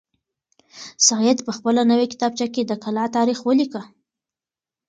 سعید په خپله نوې کتابچه کې د کلا تاریخ ولیکه.